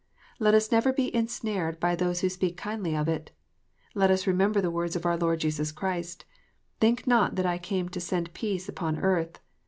Let us never be ensnared by those who speak kindly of it. Let us remember the words of our Lord Jesus Christ :" Think not that I came to send peace upon earth.